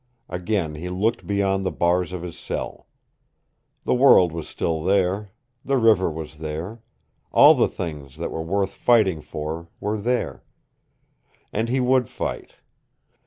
Again he looked beyond the bars of his cell. The world was still there; the river was there; all the things that were worth fighting for were there. And he would fight.